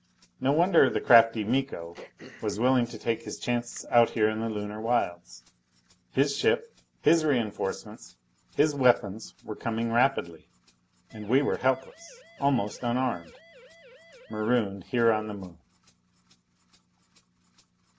No wonder the crafty Miko was willing to take his chances out here in the Lunar wilds! His ship, his reinforcements, his weapons were coming rapidly! And we were helpless. Almost unarmed. Marooned here on the Moon!